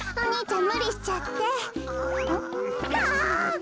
ん？